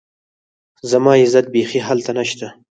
زما عزت بيخي هلته نشته